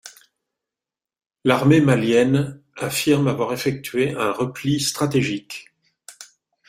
L'armée malienne affirme avoir effectué un repli stratégique.